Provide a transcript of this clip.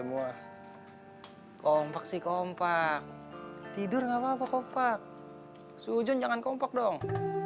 aduh payol semua kompak si kompak tidur ngapa ngapa kompak sujon jangan kompak dong